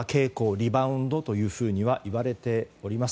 リバウンドというふうにはいわれております。